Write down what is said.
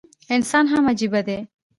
انسان هم عجيبه دی